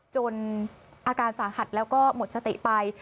จนอาการสาหัสแล้วก็หมดสติไป